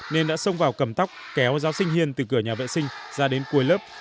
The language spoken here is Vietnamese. nên đã xông vào cầm tóc kéo giáo sinh hiên từ cửa nhà vệ sinh ra đến cuối lớp